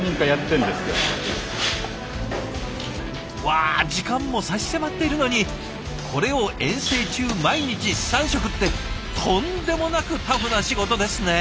わ時間も差し迫っているのにこれを遠征中毎日３食ってとんでもなくタフな仕事ですね。